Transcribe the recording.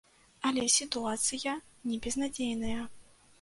Але сітуацыя не безнадзейная.